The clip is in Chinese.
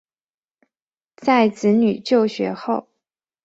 在子女就学后